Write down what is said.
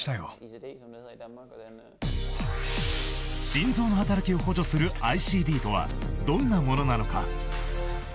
心臓の働きを補助するＩＣＤとはどんなものなのか。